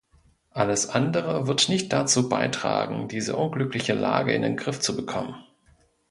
Alles andere wird nicht dazu beitragen, diese unglückliche Lage in den Griff zu bekommen.